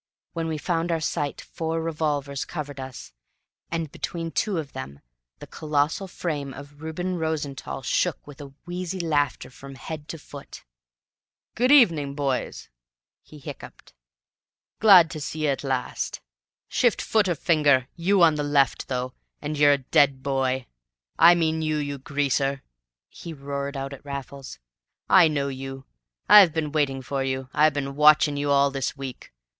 When we found our sight four revolvers covered us, and between two of them the colossal frame of Reuben Rosenthall shook with a wheezy laughter from head to foot. "Good evening, boys," he hiccoughed. "Glad to see ye at last. Shift foot or finger, you on the left, though, and you're a dead boy. I mean you, you greaser!" he roared out at Raffles. "I know you. I've been waitin' for you. I've been WATCHIN' you all this week!